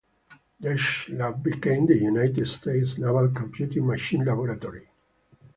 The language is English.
Desch's lab became the United States Naval Computing Machine Laboratory.